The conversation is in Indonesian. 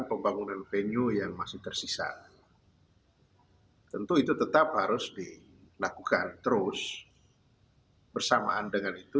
pembangunan venue yang masih tersisa tentu itu tetap harus dilakukan terus bersamaan dengan itu